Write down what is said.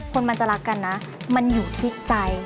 คนมันจะรักกันนะมันอยู่ที่ใจ